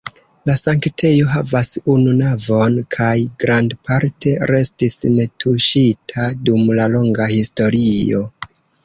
La sanktejo havas unu navon kaj grandparte restis netuŝita dum la longa historio.